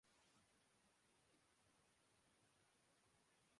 champions league Ronaldo نے Real Madrid کوسیمی final میں پہنچادیا